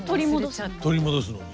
取り戻すのに？